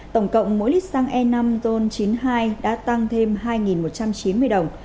tổng cộng mỗi lít xăng e năm ron chín mươi hai đã tăng thêm hai một trăm chín mươi đồng